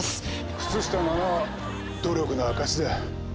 靴下の穴は努力の証しだ。